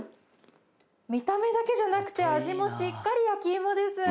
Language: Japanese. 見た目だけじゃなくて味もしっかりやきいもです。